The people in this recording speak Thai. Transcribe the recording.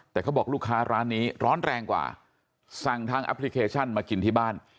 แต่เขาบอกลูกค้าร้านนี้ร้อนแรงกว่าสั่งทางแอปพลิเคชันมากินที่บ้าน